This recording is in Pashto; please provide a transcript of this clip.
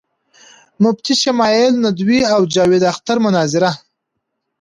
مفتی شمائل ندوي او جاوید اختر مناظره